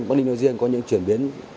bắc đinh đô diên có những chuyển biến